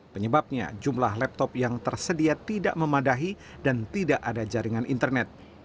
penyebabnya jumlah laptop yang tersedia tidak memadahi dan tidak ada jaringan internet